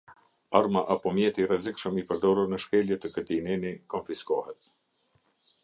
Arma apo mjeti i rrezikshëm i përdorur në shkelje të këtij neni konfiskohet.